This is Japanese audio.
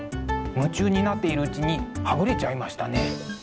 夢中になっているうちにはぐれちゃいましたね。